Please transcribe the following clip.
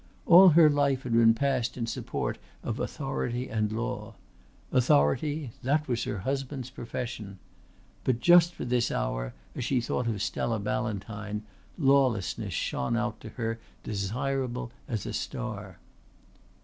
All her life had been passed in the support of authority and law. Authority that was her husband's profession. But just for this hour, as she thought of Stella Ballantyne, lawlessness shone out to her desirable as a star.